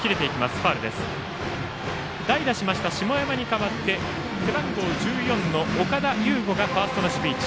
代打しました下山に代わって背番号１４の岡田優吾がファーストの守備位置。